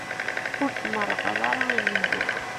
Ur tmerrɣeḍ ara ilindi.